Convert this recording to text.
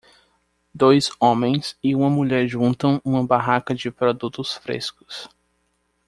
Dois homens e uma mulher juntam uma barraca de produtos frescos.